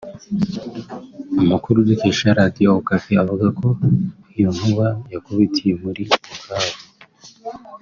Amakuru dukesha Radiyo Okapi avuga ko iyo nkuba yakubitiye muri Bukavu